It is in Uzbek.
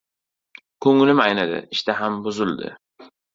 Ko‘nglim aynidi, ishtaham buzildi.